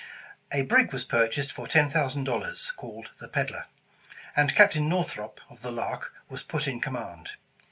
A brig was purchased for ten thousand dollars, called the Pedler, and Captain Northrop, of the Lark, was put in com mand.